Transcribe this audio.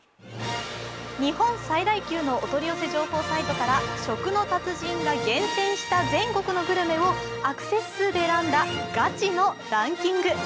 日本最大級のお取り寄せ情報サイトから食の達人が厳選した全国のグルメをアクセス数で選んだガチのランキング。